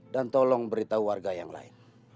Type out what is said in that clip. dan tolong beritahu warga yang lain